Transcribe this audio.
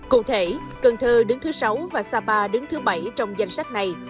cụ thể cần thơ đứng thứ sáu và sapa đứng thứ bảy trong danh sách này